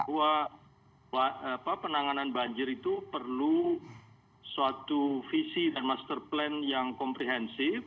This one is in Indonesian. bahwa penanganan banjir itu perlu suatu visi dan master plan yang komprehensif